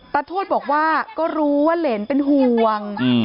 โทษบอกว่าก็รู้ว่าเหรนเป็นห่วง